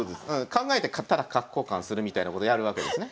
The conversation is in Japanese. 考えてただ角交換するみたいなことやるわけですね。